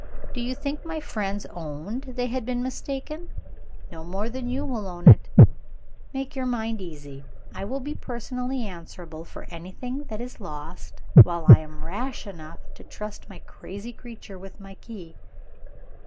Do you think my friends owned they had been mistaken? No more than you will own it! Make your mind easy. I will be personally answerable for anything that is lost, while I am rash enough to trust my crazy creature with my key."